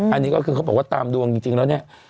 อันนี้ก็คือเขาบอกว่าตามดวงจริงแล้วเนี่ย